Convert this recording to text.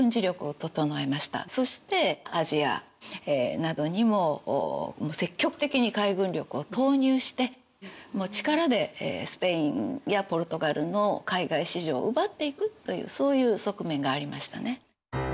そしてアジアなどにも積極的に海軍力を投入してもう力でスペインやポルトガルの海外市場を奪っていくというそういう側面がありましたね。